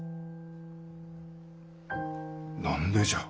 何でじゃ。